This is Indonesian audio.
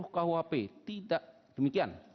kwp tidak demikian